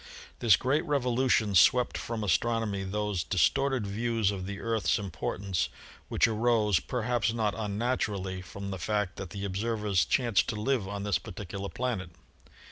This great revolution swept from Astronomy those dis torted views of the Earth's importance which arose, per haps not unnaturally, from the fact that the observers chanced to live on this particular planet.